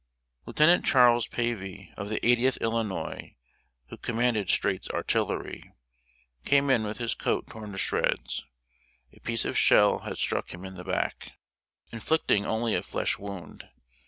Lieutenant Charles Pavie, of the Eightieth Illinois, who commanded Streight's artillery, came in with his coat torn to shreds; a piece of shell had struck him in the back, inflicting only a flesh wound.